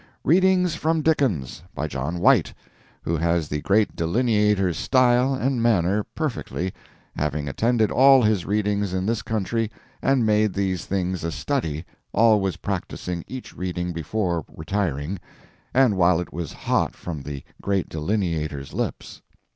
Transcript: "Readings from Dickens." By John White, who has the great delineator's style and manner perfectly, having attended all his readings in this country and made these things a study, always practising each reading before retiring, and while it was hot from the great delineator's lips.